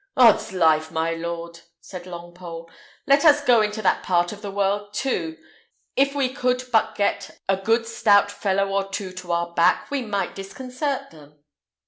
"'Odslife! my lord," said Longpole, "let us go into that part of the world too. If we could but get a good stout fellow or two to our back, we might disconcert them."